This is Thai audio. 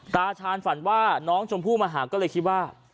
ตาชาญฝันว่าน้องชมพู่มาหาก็เลยคิดว่า